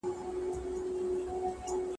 حق څوک نه سي اخیستلای په زاریو ..